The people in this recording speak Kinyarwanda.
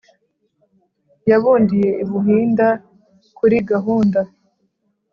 yabundiye i buhinda kuri gahunda